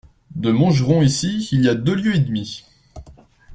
De Montgeron ici il y a deux lieues et demie.